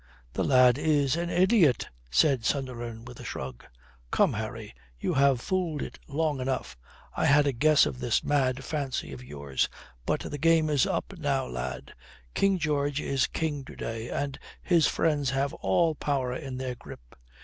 "The lad is an idiot," said Sunderland, with a shrug. "Come, Harry, you have fooled it long enough. I had a guess of this mad fancy of yours. But the game is up now, lad. King George is king to day, and his friends have all power in their grip.